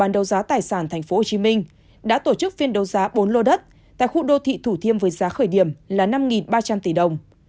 đấu giá tài sản tp hcm đã tổ chức phiên đấu giá bốn lô đất tại khu đô thị thủ thiêm với giá khởi điểm là năm ba trăm linh tỷ đồng